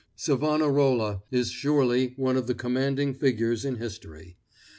Savonarola is surely one of the commanding figures in history.